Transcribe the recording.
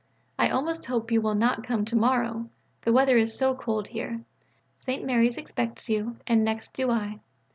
I almost hope you will not come to morrow: the weather is so cold here. St. Mary's expects you: and next do I.